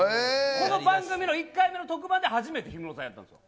この番組の１回目の特番で初めて氷室さんやったんです。